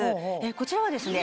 こちらはですね